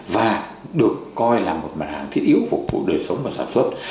và được coi là một mặt hàng thiết yếu phục vụ đời sống và sản xuất